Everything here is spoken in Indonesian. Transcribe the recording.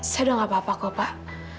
saya udah enggak apa apa kok pak